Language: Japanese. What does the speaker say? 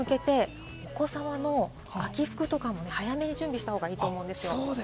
週末に向けてお子様の秋冬とかも早めに準備した方がいいと思うんですよ。